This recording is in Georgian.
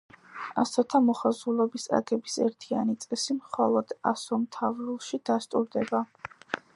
ასოთა მოხაზულობის აგების ერთიანი წესი მხოლოდ ასომთავრულში დასტურდება.